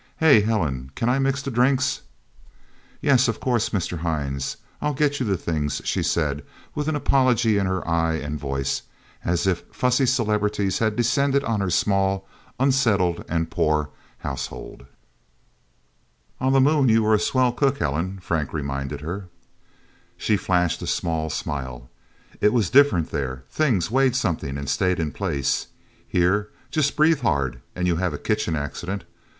"Hey, Helen can I mix the drinks?" "Yes of course, Mr. Hines. I'll get you the things," she said with apology in her eyes and voice, as if fussy celebrities had descended on her small, unsettled, and poor household. "On the Moon you were a swell cook, Helen," Frank reminded her. She flashed a small smile. "It was different, there. Things weighed something, and stayed in place. Here just breathe hard and you have a kitchen accident.